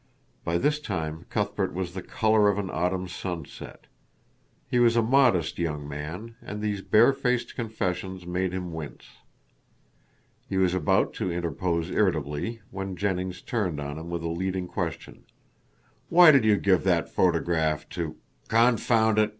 By this time Cuthbert was the color of an autumn sunset. He was a modest young man, and these barefaced confessions made him wince. He was about to interpose irritably when Jennings turned on him with a leading question. "Why did you give that photograph to " "Confound it!"